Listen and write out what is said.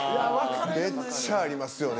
めっちゃありますよね。